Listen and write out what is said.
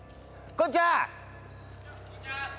こんにちはっす。